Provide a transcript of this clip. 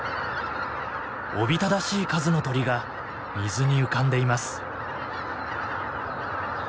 おびただしい数の鳥が水に浮かんでいます。